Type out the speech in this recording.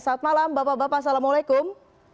selamat malam bapak bapak assalamualaikum